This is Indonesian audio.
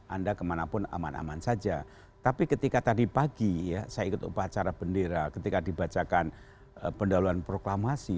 anda kemanapun aman aman saja tapi ketika tadi pagi ya saya ikut upacara bendera ketika dibacakan pendahuluan proklamasi